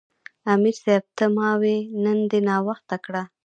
امیر صېب ته ما وې " نن دې ناوخته کړۀ "